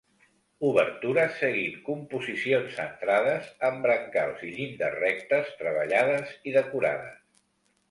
Obertures seguint composicions centrades, amb brancals i llindes rectes treballades i decorades.